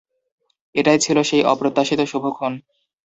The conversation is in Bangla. এটাই ছিল সেই অপ্রত্যাশিত শুভক্ষণ।